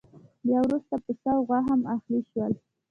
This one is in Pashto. بیا وروسته پسه او غوا هم اهلي شول.